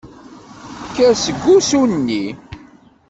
Kker seg wusu-nni.